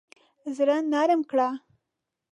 زړه نرم کړه.